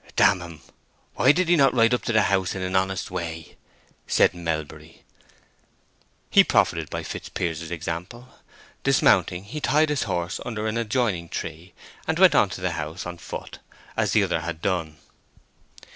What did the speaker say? "D—n him! why did he not ride up to the house in an honest way?" said Melbury. He profited by Fitzpiers's example; dismounting, he tied his horse under an adjoining tree, and went on to the house on foot, as the other had done.